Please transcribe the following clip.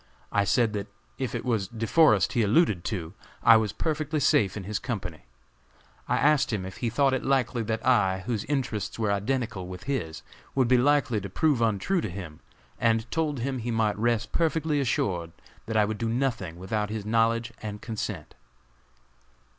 I said that if it was De Forest he alluded to, I was perfectly safe in his company. I asked him if he thought it likely that I, whose interests were identical with his, would be likely to prove untrue to him, and told him he might rest perfectly assured that I would do nothing without his knowledge and consent."